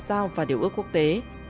sao và điều ước quốc tế